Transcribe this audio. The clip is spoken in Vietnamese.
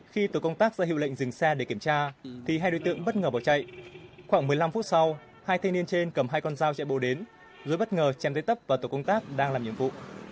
khi tổ công tác ra hiệu lệnh dừng xe để kiểm tra thì hai đối tượng bất ngờ bỏ chạy khoảng một mươi năm phút sau hai thanh niên trên cầm hai con dao chạy bộ đến rồi bất ngờ chém tới tấp và tổ công tác đang làm nhiệm vụ